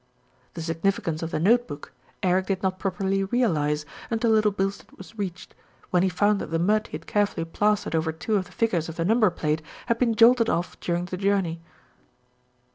The significance of the note book, Eric did not prop erly realise until Little Bilstead was reached, when he found that the mud he had carefully plastered over two of the figures of the number plate had been jolted off during the journey.